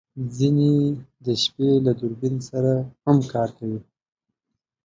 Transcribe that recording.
ځینې یې د شپې له دوربین سره هم کار کوي